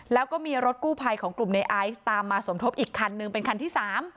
แล้วก็มีรถกู้ภัยของกลุ่มในไอซ์ตามมาสมทบอีกคันนึงเป็นคันที่๓